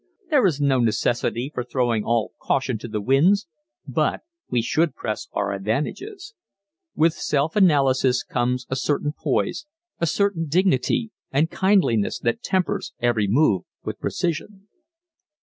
There is no necessity for throwing all caution to the winds, but we should press our advantages. With self analysis comes a certain poise, a certain dignity and kindliness that tempers every move with precision.